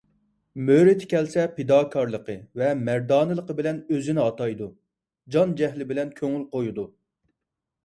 مۆرىتى كەلسە پىداكارلىقى ۋە مەردانىلىقى بىلەن ئۆزىنى ئاتايدۇ، جان - جەھلى بىلەن كۆڭۈل قويىدۇ.